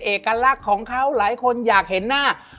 เอกลักษณ์ของเขาหลายคนอยากเห็นหน้า